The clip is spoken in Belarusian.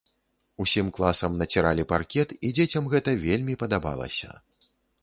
Усім класам націралі паркет, і дзецям гэта вельмі падабалася.